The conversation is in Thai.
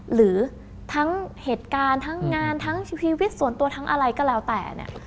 หรือทั้งเหตุการณ์ทั้งงานทั้งชีวิตส่วนตัวทั้งอะไรก็แล้วแต่เนี่ย